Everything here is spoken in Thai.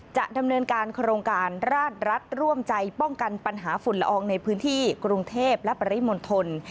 จะดำเนินการโครงการราชรัฐร่วมใจป้องกันปัญหาฝุ่นละอองในพื้นที่กรุงเทพและปริมณฑล